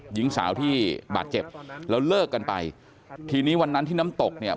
หญิงสาวที่บาดเจ็บแล้วเลิกกันไปทีนี้วันนั้นที่น้ำตกเนี่ย